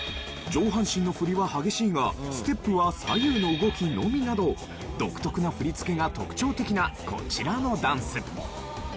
上半身の振りは激しいがステップは左右の動きのみなど独特な振り付けが特徴的なこちらのダンス。